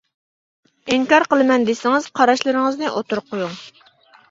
ئىنكار قىلىمەن دېسىڭىز، قاراشلىرىڭىزنى ئوتتۇرىغا قويۇڭ.